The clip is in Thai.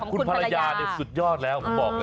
คุณภรรยาเนี่ยสุดยอดแล้วผมบอกเลย